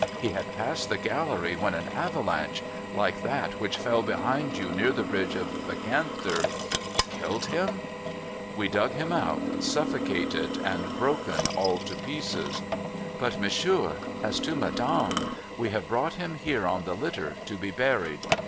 He had passed the gallery when an avalanche — like that which fell behind you near the Bridge of the Ganther '' Killed him ?'' We dug him out, suffocated and broken all to pieces ! But, monsieur, as to Madame. We have brought him here on the litter, to be buried.